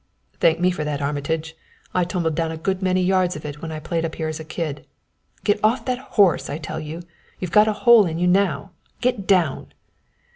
"Thank me for that, Armitage. I tumbled down a good many yards of it when I played up here as a kid. Get off that horse, I tell you! You've got a hole in you now! Get down!"